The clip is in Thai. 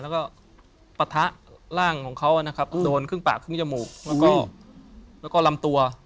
แล้วก็ปะทะร่างของเขานะครับโดนครึ่งปากครึ่งจมูกแล้วก็ลำตัว